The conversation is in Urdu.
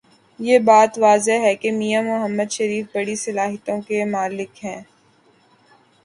یہ بات واضح ہے کہ میاں محمد شریف بڑی صلاحیتوں کے مالک ہوں۔